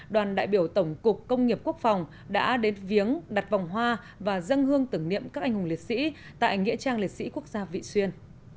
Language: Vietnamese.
đoàn đại biểu tổng cục công nghiệp quốc phòng đã đến viếng đặt vòng hoa và dân hương tưởng niệm các anh hùng liệt sĩ tại nghĩa trang liệt sĩ quốc gia vị xuyên